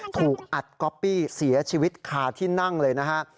ถูกอัดก๊อปปี้เสียชีวิตคาที่นั่งเลยนะฮะ